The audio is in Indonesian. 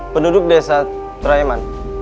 penduduk desa traeman